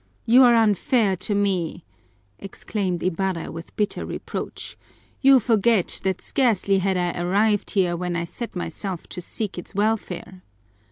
"You are unfair to me!" exclaimed Ibarra with bitter reproach. "You forget that scarcely had I arrived here when I set myself to seek its welfare."